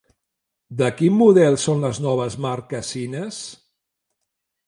De quin model són les noves marquesines?